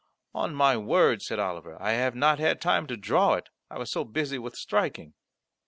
"On my word," said Oliver, "I have not had time to draw it; I was so busy with striking."